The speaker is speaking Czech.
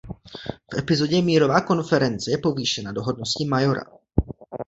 V epizodě Mírová konference je povýšena do hodnosti majora.